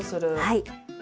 はい。